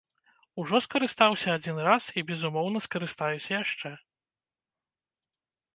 Ужо скарыстаўся адзін раз і безумоўна скарыстаюся яшчэ.